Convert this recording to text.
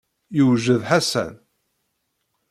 Yewjed Ḥasan.